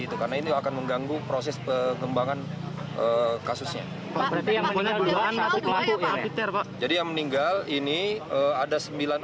itu karena ini akan mengganggu proses pengembangan kasusnya jadi yang meninggal ini ada sembilan